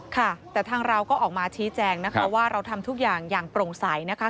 ค่ะแต่ทางเราก็ออกมาชี้แจงนะคะว่าเราทำทุกอย่างอย่างโปร่งใสนะคะ